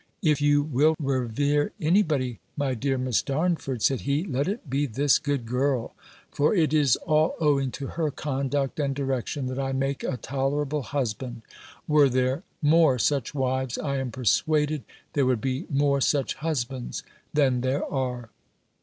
"If you will revere any body, my dear Miss Darnford," said he, "let it be this good girl; for it is all owing to her conduct and direction, that I make a tolerable husband: were there more such wives, I am persuaded, there would be more such husbands than there are."